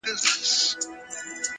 • قاسم یار او د نشې یې سره څه..